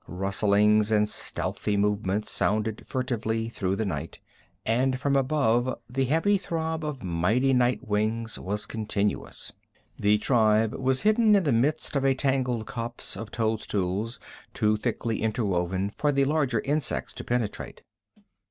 Rustlings and stealthy movements sounded furtively through the night, and from above the heavy throb of mighty wing beats was continuous. The tribe was hidden in the midst of a tangled copse of toadstools too thickly interwoven for the larger insects to penetrate.